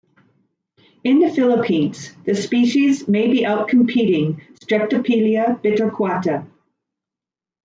In the Philippines, the species may be outcompeting "Streptopelia bitorquata".